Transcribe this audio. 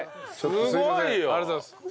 すごいよ！ありがとうございます。